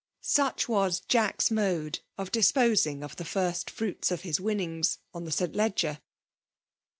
Such was Jack's mode of disposing of the first firuits of his winnings on the St. Leger.